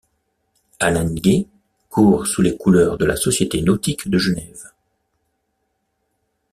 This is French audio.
Alinghi court sous les couleurs de la Société Nautique de Genève.